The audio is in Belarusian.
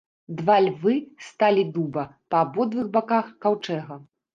Два львы сталі дуба па абодвух баках каўчэга.